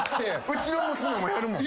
うちの娘もやるもん。